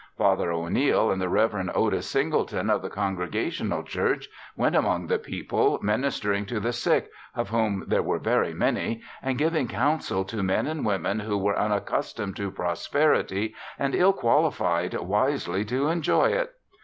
Father O'Neil and the Reverend Otis Singleton of the Congregational Church went among the people, ministering to the sick, of whom there were very many, and giving counsel to men and women who were unaccustomed to prosperity and ill qualified wisely to enjoy it.